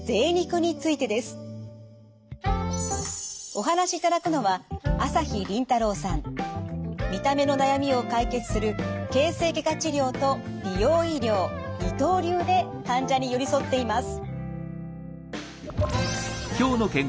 お話しいただくのは見た目の悩みを解決する形成外科治療と美容医療二刀流で患者に寄り添っています。